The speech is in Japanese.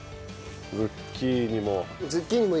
ズッキーニも。